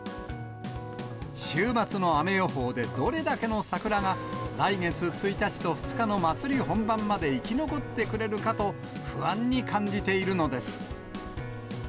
週末の雨予報でどれだけの桜が来月１日と２日の祭り本番まで生き残ってくれるかと、不安に感じているのです。